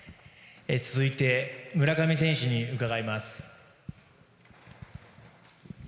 続いて村上選手に伺います。